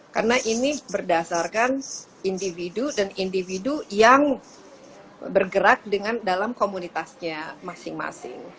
karena ini berdasarkan individu dan individu yang bergerak dengan dalam komunitasnya masing masing